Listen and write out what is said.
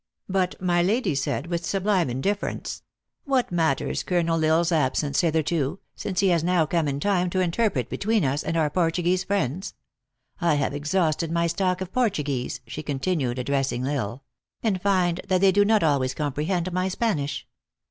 But my lady said, with sublime in difference :" What matters Colonel L Isle s absence hitherto, since he has now come in time to interpret between us and our Portuguese friends? I have ex hausted my stock of Portuguese," she continued, ad dressing L Isle ;" and find that they do not always comprehend my Spanish.